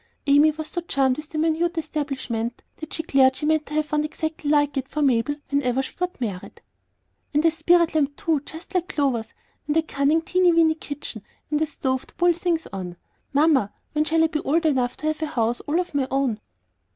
Amy was so charmed with the minute establishment that she declared she meant to have one exactly like it for Mabel whenever she got married. "And a spirit lamp, too, just like Clover's, and a cunning, teeny weeny kitchen and a stove to boil things on. Mamma, when shall I be old enough to have a house all of my own?"